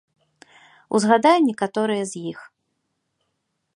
Узгадаю некаторыя з іх.